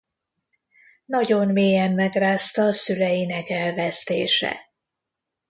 Nagyon mélyen megrázta szüleinek elvesztése.